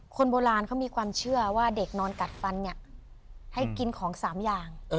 คนโบราณเขามีความเชื่อว่าเด็กนอนกัดฟันเนี่ยให้กินของ๓อย่าง